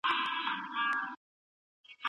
راهيسي د تکامل په حال کي دی او زما له نظره دا